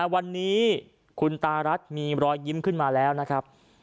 วันนี้คุณตารัฐมีรอยยิ้มขึ้นมาแล้วนะครับ